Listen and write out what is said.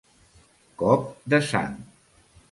Cop de sang.